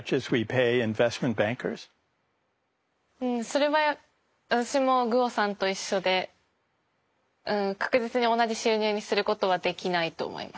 それは私もグオさんと一緒で確実に同じ収入にすることはできないと思います。